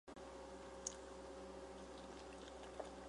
谭家有几百亩田地和一家米店。